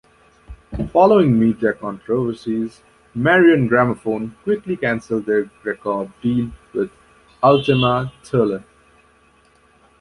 Following media controversies, Mariann Grammofon quickly cancelled their record deal with Ultima Thule.